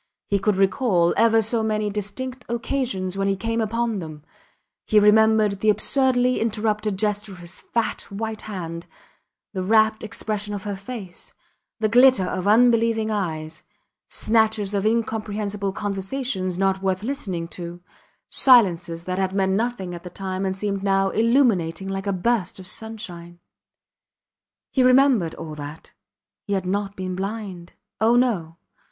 He could recall ever so many distinct occasions when he came upon them; he remembered the absurdly interrupted gesture of his fat, white hand, the rapt expression of her face, the glitter of unbelieving eyes; snatches of incomprehensible conversations not worth listening to, silences that had meant nothing at the time and seemed now illuminating like a burst of sunshine. He remembered all that. He had not been blind. Oh! No!